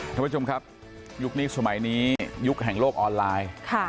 ท่านผู้ชมครับยุคนี้สมัยนี้ยุคแห่งโลกออนไลน์